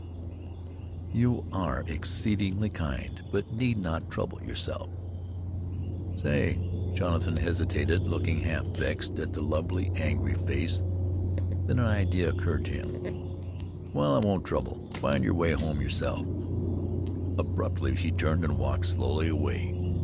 "You are exceedingly kind; but need not trouble yourself." "Say," Jonathan hesitated, looking half vexed at the lovely, angry face. Then an idea occurred to him. "Well, I won't trouble. Find your way home yourself." Abruptly he turned and walked slowly away.